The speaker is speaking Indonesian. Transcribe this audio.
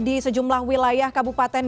di sejumlah wilayah kabupaten